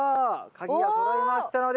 鍵がそろいましたので。